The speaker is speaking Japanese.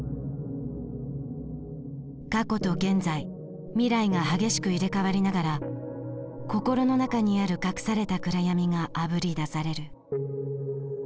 過去と現在未来が激しく入れ代わりながら心の中にある隠された暗闇があぶり出される。